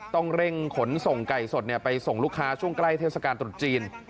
ต้องเร่งขนส่งไก่สดไปส่งลูกค้าช่วงใกล้เทศกาลตรุษจีน